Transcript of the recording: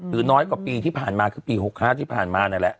น้อยกว่าปีที่ผ่านมาคือปี๖๕ที่ผ่านมานั่นแหละ